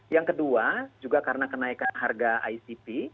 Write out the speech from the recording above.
yang kedua juga karena kenaikan harga icp